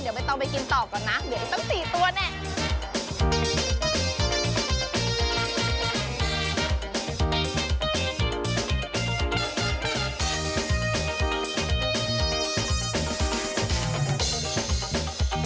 เดี๋ยวต้องไปกินต่อก่อนนะเดี๋ยวอีกตั้ง๔ตัวแน่